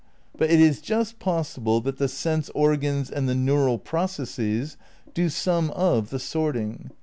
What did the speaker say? '' But it is just possible that the sense organs and the neural processes do some of the sorting.